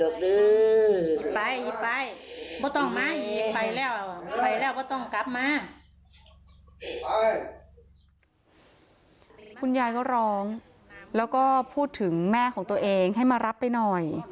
คุณยายก็ร้องแล้วก็พูดถึงแม่ของตัวเองให้มารับไปหน่อย